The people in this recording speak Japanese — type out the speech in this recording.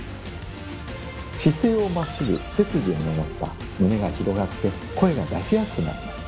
姿勢をまっすぐ背筋を伸ばせば胸が広がって声が出しやすくなります。